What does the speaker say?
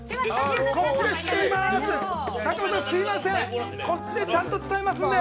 すいませんこっちでちゃんと伝えます。